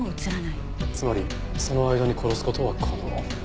つまりその間に殺す事は可能。